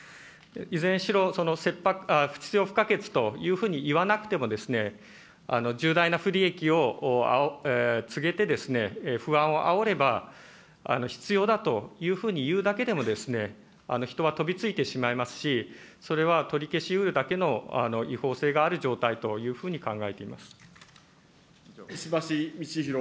いずれにしろ、必要不可欠というふうにいわなくても、重大な不利益を告げて、不安をあおれば、必要だというふうに言うだけでも、人は飛びついてしまいますし、それは取り消しうるだけの違法性がある状態というふうに考えています。